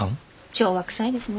昭和くさいですね。